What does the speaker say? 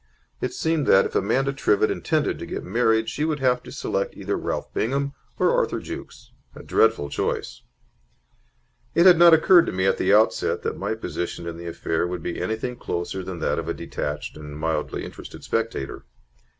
It seemed that, if Amanda Trivett intended to get married, she would have to select either Ralph Bingham or Arthur Jukes. A dreadful choice. It had not occurred to me at the outset that my position in the affair would be anything closer than that of a detached and mildly interested spectator.